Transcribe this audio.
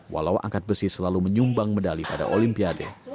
walau angkat besi selalu menyumbang medali pada olimpiade